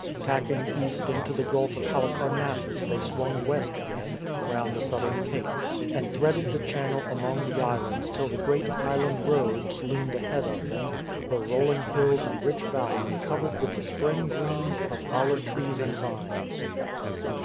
Tacking east into the Gulf of Halicarnassus they swung west again round the southern cape, and threaded the channel among the islands till the great island Rhodes loomed ahead of them, her rolling hills and rich valleys covered with the spring green of olive trees and vines.